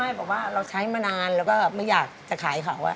บอกว่าเราใช้มานานแล้วก็ไม่อยากจะขายเขา